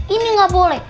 ini gak boleh